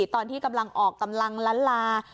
ตอนที่กำลังออกกำลังล้านลา